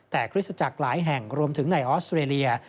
แต่คริสตจักรหลายแห่งรวมถึงในออสเตรเลีย